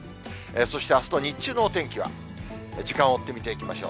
そしてあすの日中のお天気は、時間を追って見ていきましょう。